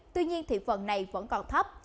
tuy nhiên thị phần này vẫn còn thấp